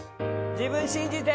自分信じて！